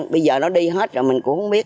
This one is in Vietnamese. bây giờ nó đi hết rồi mình cũng không biết